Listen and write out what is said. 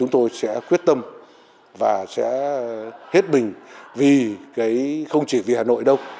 tôi sẽ quyết tâm và sẽ thiết bình vì cái không chỉ vì hà nội đâu